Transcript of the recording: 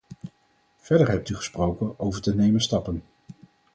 Verder hebt u gesproken over te nemen stappen.